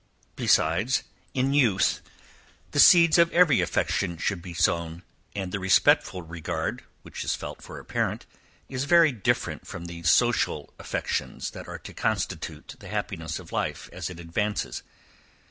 Besides, in youth the seeds of every affection should be sown, and the respectful regard, which is felt for a parent, is very different from the social affections that are to constitute the happiness of life as it advances.